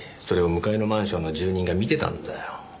それを向かいのマンションの住人が見てたんだよ。